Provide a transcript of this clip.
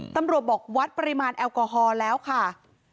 ตำรวจบอกวัดปริมาณแอลกอฮอล์แล้วค่ะ